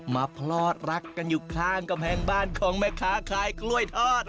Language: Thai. พลอดรักกันอยู่ข้างกำแพงบ้านของแม่ค้าขายกล้วยทอด